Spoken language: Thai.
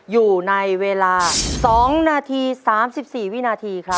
อยู่ในเวลา๒นาที๓๔วินาทีครับ